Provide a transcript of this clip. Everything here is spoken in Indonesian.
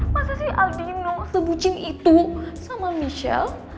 masa sih aldino sebucin itu sama michelle